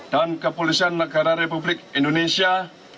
dan kepolisian negara republik indonesia